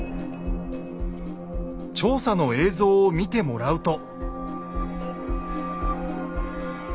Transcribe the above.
調査の映像を見てもらうと。